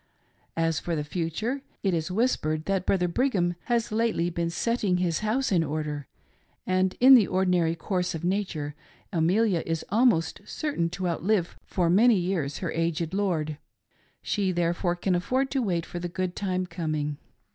As for the future — it is whispiered that Brother Brigham has lately been " setting his house in order," and in the ordinary course of nature, Amelia is almost certain to outlive for many years her aged lord, she therefore can afford to wait for the good time coming.